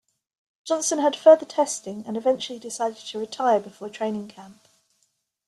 Johnson had further testing, and eventually decided to retire before training camp.